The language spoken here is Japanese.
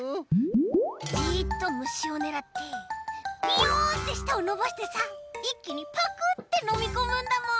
じっとむしをねらってビヨンってしたをのばしてさいっきにパクッてのみこむんだもん。